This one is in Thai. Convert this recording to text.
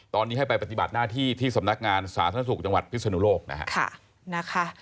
ตอนนี้ให้ไปปฏิบัติหน้าที่ที่สำนักงานสาธารณสุขจังหวัดพิศนุโลกนะฮะ